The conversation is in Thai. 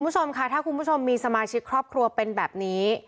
คุณผู้ชมค่ะถ้าคุณผู้ชมมีสมาชิกครอบครัวเป็นแบบนี้